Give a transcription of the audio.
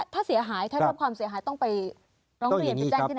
ถ้าเสียหายต้องไปร้องเรียนไปแจ้งที่ไหนค่ะ